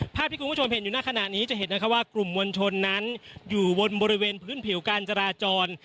ภาพที่คุณผู้ชมเห็นอยู่หน้าขณะนี้จะเห็นนะคะว่ากลุ่มมวลชนนั้นอยู่บนบริเวณพื้นผิวการจราจร